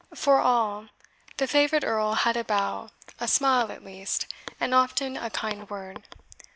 For all the favourite Earl had a bow a smile at least, and often a kind word.